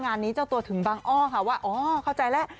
งานนี้เจ้าตัวถึงบังอ้อค่ะว่าอ๋อเข้าใจแล้ว